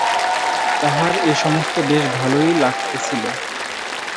তাহার এ-সমস্ত বেশ ভালোই লাগিতেছিল।